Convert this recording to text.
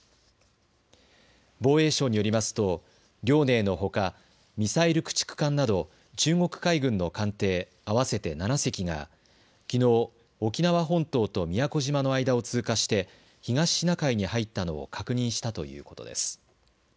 防衛省によりますと遼寧のほか、ミサイル駆逐艦など中国海軍の艦艇合わせて７隻がきのう沖縄本島と宮古島の間を通過して東シナ海に入ったのを確認したということです。